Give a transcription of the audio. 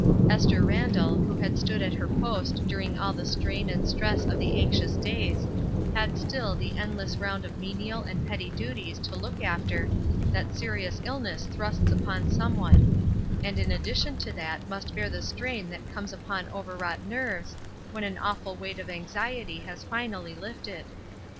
Esther Randall, who had stood at her post during all the strain and stress of the anxious days, had still the endless round of menial and petty duties to look after that serious illness thrusts upon some one; and in addition to that must bear the strain that comes upon over wrought nerves when an awful weight of anxiety has finally Hfted.